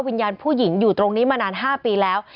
วิญญาณผู้หญิงอยู่ตรงนี้มานาน๕ปีแล้ว